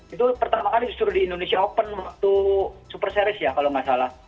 itu pertama kali justru di indonesia open waktu super series ya kalau nggak salah